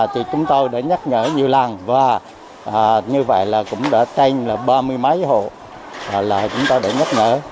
thì chúng tôi đã nhắc nhở nhiều lần và như vậy cũng đã tranh ba mươi mấy hộ là chúng tôi đã nhắc nhở